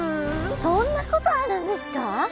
そんなことあるんですか？